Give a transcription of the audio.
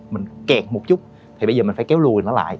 mình kẹt một chút thì bây giờ mình phải kéo lùi nó lại